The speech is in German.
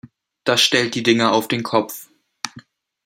Das stellt die Dinge auf den Kopf.